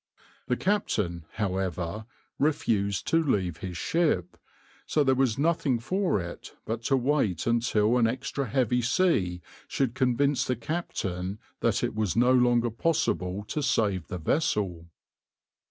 The captain, however, refused to leave his ship, so there was nothing for it but to wait until an extra heavy sea should convince the captain that it was no longer possible to save the vessel.